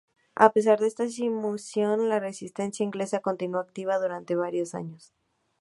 A pesar de esta sumisión, la resistencia inglesa continuó activa durante varios años.